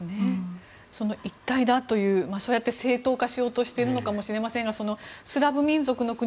一体だという正当化しようとしているかもしれませんがスラブ民族の国